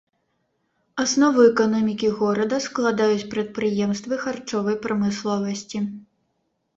Аснову эканомікі горада складаюць прадпрыемствы харчовай прамысловасці.